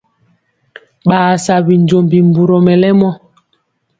Ɓaa sa binjombi mburɔ mɛlɛmɔ.